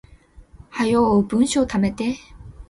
早う文章溜めて